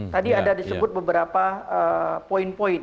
tadi ada disebut beberapa poin poin